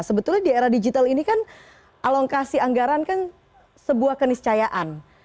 sebetulnya di era digital ini kan alokasi anggaran kan sebuah keniscayaan